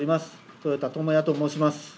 豊田知八と申します。